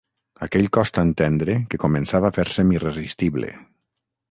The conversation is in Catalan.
Aquell cos tan tendre que començava a fer-se'm irresistible.